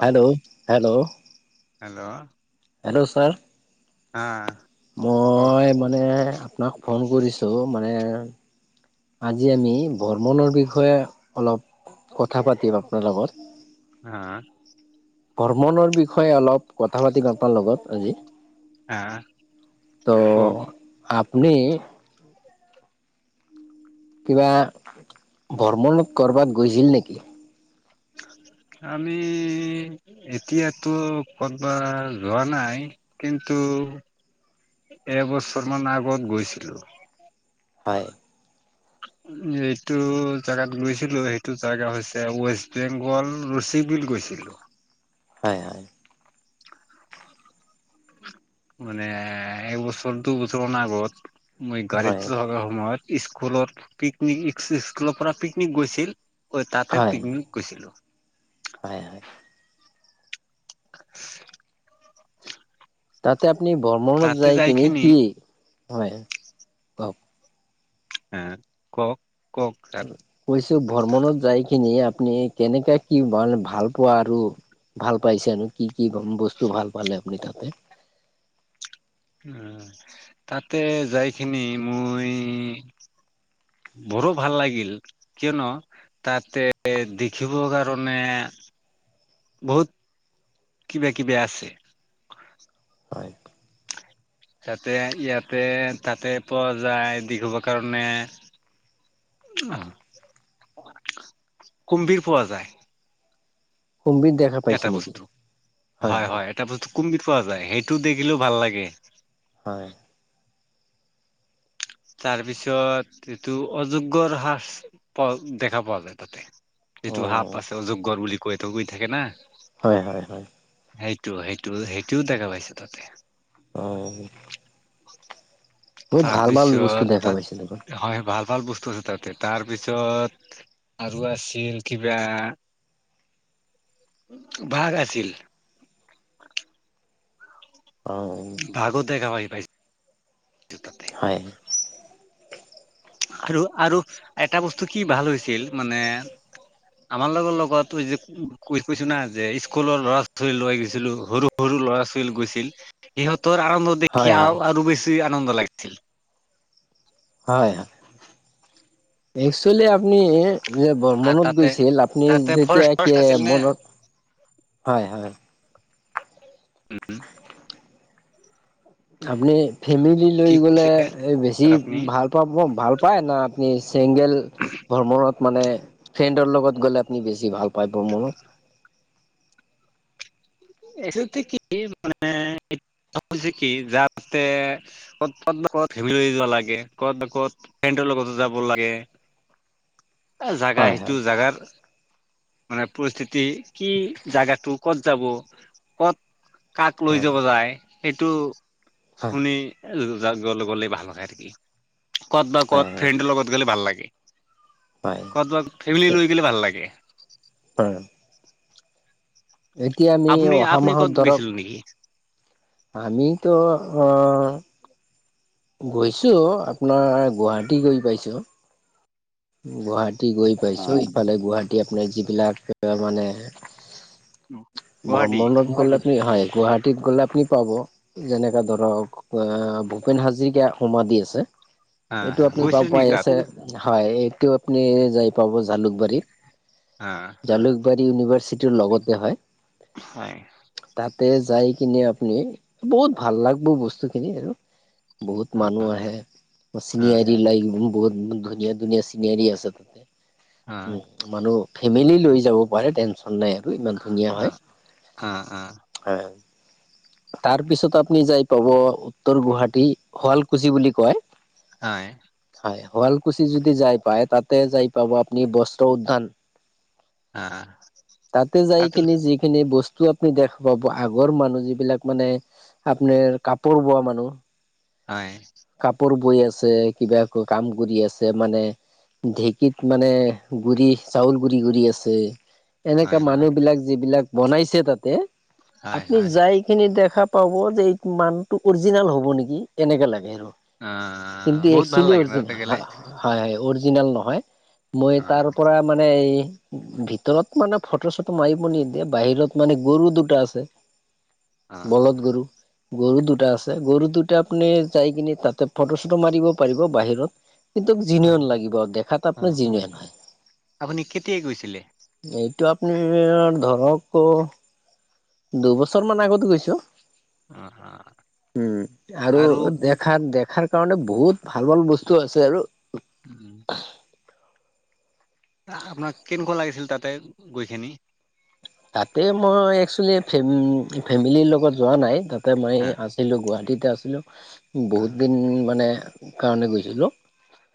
Hello hello hello hello sir হা কওক মই মানে আপোনাক ফোন কৰিছোঁ মানে আজি আমি ভ্ৰমণৰ বিষয়ে অলপ কথা পাতিম আপোনাৰ লগত হা ভ্ৰমণৰ বিষয়ে অলপ কথা পাতিম আপোনাৰ লগত আজি হা ত কওক আপুনি কিবা ভ্ৰমণত কৰবাত গৈছিল নেকি আমি এতিয়াতো ক'বাত যোৱা নাই কি ন্তু এবছৰমান আগত গৈছিলোঁ হয় এইটো জেগাত গৈছিলো সেইটো জেগা হৈছে ৱেষ্ট বেংগল ৰচিক বিল গৈছি লো হয় হয় মানে এ একবছৰ দুইবছৰ মানৰ আগত মই হয় গাড়ীত থকাৰ সময়ত স্কুলত পিকনিক স্কুলৰ পৰা পিকনিক গৈছিল তাতে হয় পিকনিক গৈছিলো। হয় হয় [unintelligible] তাতে আপুনি ভ্ৰমণত তাতে যাই কিনে যাইখিনি কি হয় কক এ কওঁক কৈছো ভ্ৰমণত যাই কিনি আপুনি কেনেকে কি মানে ভাল পোৱা আৰু ভাল পাইছে আৰু কি বস্তু ভাল পালে আপনি তাতে উ তাতে যাইখিনি মই বৰো ভাল লাগিল কিয়নো তাতে দেখিব কাৰণে [inaudible] বহুত কিবা কিবি আছে। হয় তাতে ইয়াতে তাতে পোৱা যায় দেখিব কাৰণে আহ কুম্ভীৰ পোৱা যায়। কুম্ভীৰ দেখা পাইছে এটা নেকি? বস্তু হয় হয় এটা বস্তু কুম্বিত পোৱা যায় সেইটো দেখিলেও ভাল লাগে। হয় তাৰ পিছত এইটো অজগৰ হ্ৰাস প দেখা পোৱা যায় তাতে। অ যিটো সাপ আছে অজগৰ বুলি কৈ ত গৈ থাকে না হয় হয় হয় সটো সেইটো সেইটোও দেখা পাইছে তাতে অঅঁ বস্তু তাৰপিছত দেখা পাইছে দেখোন। তাত হয় ভাল ভাল বস্তু দুল তাতে তাৰপিছত আৰু আছিল কিবা বাঘ আছিল অ বাঘো দেখা পাই‌ পাইছে হয় আৰু আৰু এটা বস্তু কি ভাল হৈছিল মানে আমাৰ লগৰ লগত যে কৈছো না যে স্কুলৰ ল'ৰা ছোৱালী লৈ গৈছিলো সৰু সৰু ল'ৰা ছোৱালী গৈছিল সিহঁতৰ আনন্দ দেখি হয় হয় আৰু বেছি আনন্দ লাগিছিল। হয় একচেলি আ আপুনি যে আৰু ভ্ৰমণত তাতে গৈছিল আপুনি তাতে যেতিয়া ফৰেষ্ট কি ফৰেষ্ট আছিল নে মনত হয় হয় উম আপুনি ফেমিলি লৈ কি গ'লে বেছি আপুনি ভাল পাব ভাল পায় না আপুনি চেংগ গেল ভ্ৰমনত মানে ফ্ৰেণ্ডৰ লগত গলে আপুনি বেছি ভাল পায় ভ্ৰমণত এটোতে কি মানে হৈছে কি যাতে ক'ত ক'ত [unintelligible] লৈ যোৱা নালাগে ক'ত ক'ত ফ্ৰেণ্ডৰ লগতো যাব লাগে। [inaudible] এ জাগা হয় সেইটো হয় জাগাত মানে পৰিস্থিতি কি জাগাটো ক'ত যাব ক'ত কাক লৈ হয় যাব যায় সেইটো হয় শুনি লৈ গ'লে ভাল নে থাকি ক'ত বা ক'ত হয় ফ্ৰেণ্ডৰ লগত গ'লে ভাল লাগে হয় কৰবাত ফেমিলি হয় লৈ গলে ভাল লাগে। হয় এতিয়া আমি আপুনি অহা আপুনি মাহত ক'ত ধৰক গৈছিলে নেকি আমিতো গৈছোঁ আপোনাৰ গুৱাহাটী গৈ পাইছোঁ। গুৱাহাটী গৈ অ পাইছো ইফালে গুৱাহাটী আপোনাৰ যিবিলাক মানে গুৱাহাটী ভ্ৰমণ গলে আপুনি হয় গুৱাহাটীত গ'লে আপুনি পাব যেনেকৈ ধৰক ভূপেন হাজৰিক সোমা দি আছে হা এইটো হা আপুনি প গৈছিল নেকি পাই তাত আছে হয় এই তো আপুনি যাই পাব জালুকবাৰী, হা জালুকবাৰী ইউনিভাৰচিটিৰ লগতে হয় হয় ত তাতে যাই কিনে আপুনি বহুত ভাল লাগিব বস্তুখিনি আৰু বহুত অ মানুহ আহে অ চিনিয়াৰী অ লাইক বহুত ধুনীয়া ধুনীয়া চিনিয়াৰী আছে তাতে উ মানুহ ফেমিলি লৈ যাব পাৰে টেনচন চ নাই আৰু ইমান ধুনীয়া অ অ অ হয় তাৰ পিছত আপুনি যাই পাব উত্তৰ গুৱাহাটী শুৱালকুছি বুলি কয় হয় হয় শুৱালকুছি যদি যায় পাই তাতে যাই পাব আপুনি বস্ত্ৰ উ্যান আহ তাতে যাই কিনি যিখিনি বস্তু টো আপুনি দেখা পাব আগৰ মানুহ যিবিলাক মানে আপোনাৰ কাপোৰ বোৱা মানুহ হয় কাপোৰ বৈ আছে কিবা কাম কৰি আছে মানে ঢেঁকীত মানে গুৰি চাউল গুৰি গুৰি আছে এনেকা হয় হয় মানুহ বিলাক যিবিলাক বনাইছে তাতে হয় আপুনি হয় যাই খিনি দেখা পাব যে এই মানুহটো অৰজিনেল হ'ব নেকি এনেকৈ লাগে আহ কিন্তু বহুত একচ ভাল লাগে ন হয় তাতে গ'লে হয় অৰজিনেল নহয় মই হয় তাৰ পৰা মানে এই ভিতৰত মানে ফটো চটো মাৰিব নিদিয়ে বাহিৰত মানে গৰু দুটা আছে অ বলত গৰু গৰু দুটা আছে গৰু দুটা আপুনি যাই কিনি তাতে ফটো চটো মাৰিব পাৰিব বাহিৰত কিন্তু অ জিনিয়ন লাগিব দেখাত অ আপোনাৰ অ জিনিয়ন হয় আপুনি কেতিয়া গৈছিলে এইটো আপুনি ধৰক দুবছৰমানান আগত গৈছো অ অ উম আৰু দেখাৰ দেখাৰ স কাৰণে বহুত ভাল ভাল বস্তু আছে আৰু উম আপোনাক কেনেকুৱা লাগিছিল তাতে গৈকিনি তাতে মই একচেলি ফেমিলিৰ লগত যোৱা নাই ত তাতে মাৰি অ আছিলোঁ গুৱাহাটীতে আছিলোঁ অ বহুত দিন মানে কাৰণে গৈছিলোঁ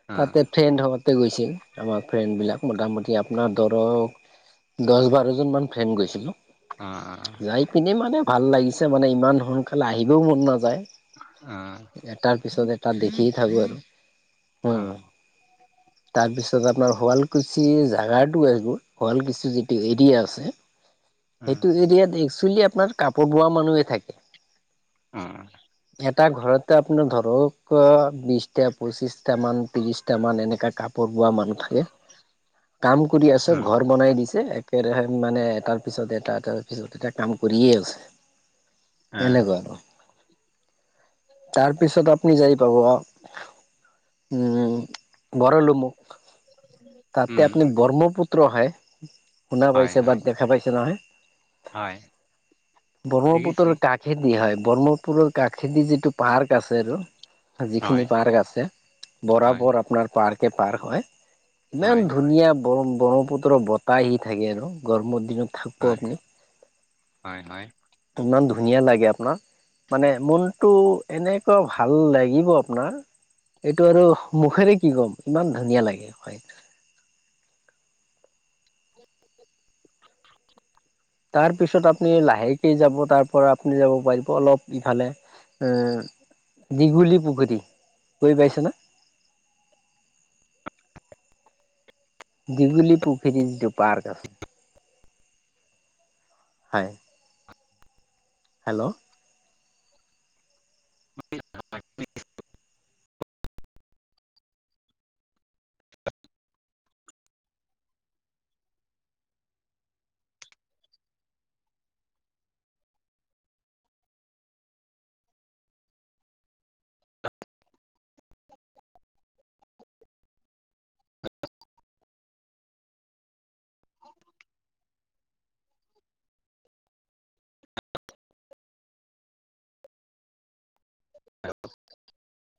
অ তাতে ফ্ৰেণ্ড হত গৈছিল আমাৰ ফ্ৰেণ্ড বিলাক মোটামুটি আপোনাৰ ধৰক দহ বাৰজন মান ফ্ৰেণ্ড গৈছিলোঁ অ অ যাই পিনিনে মানে ভাল লাগিছে মানে ইমান সোনকালে আহিবও মন নাযায় অ এটাৰ পিছত এটা দেখিয় থাকো আৰু অ নো তাৰপিছত আপোনাৰ শুৱালকুছিৰ জাগাতটো এইবোৰ শুৱালকুছিৰ যিটো এৰিয়া আছে অ সেইটো এৰিয়াত একচুৱেলি আপোনাৰ কাপোৰ বোৱা মানুহে থাকে অ এটা ঘৰতে আপোনাৰ ধৰক বিশছটা পঁচিছটামান ত্ৰিছটামান এনেকুৱা কাপোৰ বোৱা মানুহ থাকে কাম কৰি আছ ঘৰ অ বনাই দিছে একেৰাহে মানে তাৰপিছত এটা এটা তাৰপিছত এটা কাম কৰিয়ে আছে এনেকুৱা আৰু তাৰপিছত আপুনি যাই পাব উ ভৰলুমুখ তাতে উম আপুনি ব্ৰহ্মপুত্ৰ হয় শুনা হয় পাইছে বা হয় শুনা পাইছে নহয় হয় ব্ৰক্ষ্মপুত্ৰ দেখিছো কাষেদি হয় ব্ৰহ্মপুৰৰ কাষেদি যিটো পাৰ্ক আছে আৰু যিখিনি হয় পাৰ্ক আছে হয় বৰাবৰ আপোনাৰ পাৰ্ক পাৰ্ক হয় ইমান হয় ধুনীয়া ব ব্ৰহ্মপুত্ৰৰ বতাহ আহি থাকে আৰু গৰমৰ দিনত থাকিব হয়। আপুনি। হয় হয়। ইমান ধুনীয়া লাগে আপোনাক। মানে মনটো এনেকুৱা ভাল লাগিব আপোনাৰ! এইটো আৰু মুখেৰে কি ক'ম! ইমান ধুনীয়া লাগে হয়। [inaudible] তাৰপিছত আপুনি লাহেকে যাব তাৰ পৰা। আপুনি যাব পাৰিব অলপ ইফালে। দীঘলীপুখুৰী, গৈ পাইছে না? [inaudible] দীঘলীপুখুৰীৰ যিটো পাৰ্ক আছে, হয়। হেল্ল'। [unintelligible] [inaudible] [unintelligible]